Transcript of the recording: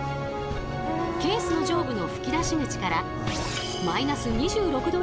ケースの上部の吹き出し口から−２６℃